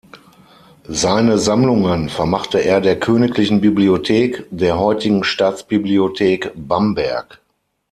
Seine Sammlungen vermachte er der Königlichen Bibliothek, der heutigen Staatsbibliothek Bamberg.